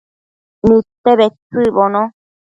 Nidte bedtsëcbono